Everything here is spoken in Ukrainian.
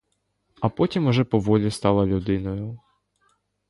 А потім уже поволі стала людиною.